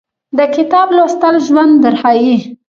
د کتاب لوستل ژوند درښایي